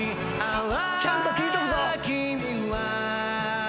ちゃんと聞いとくぞ！